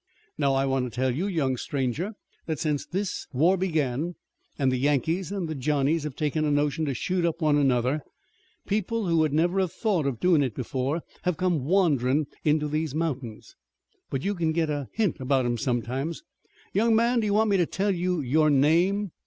Now I want to tell you, young stranger, that since this war began and the Yankees and the Johnnies have taken a notion to shoot up one another, people who would never have thought of doin' it before, have come wanderin' into these mountains. But you can get a hint about 'em sometimes. Young man, do you want me to tell you your name?"